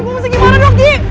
gua mau segimana dong ki